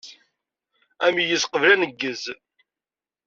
Ameyyez qbel aneggez.